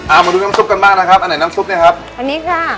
เอามาดูน้ำซุปกันบ้างนะครับอันไหนน้ำซุปเนี้ยครับอันนี้ค่ะ